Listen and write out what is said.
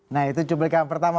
nah itu cumplikan pertama